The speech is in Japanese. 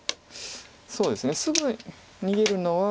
そうですねすぐ逃げるのは。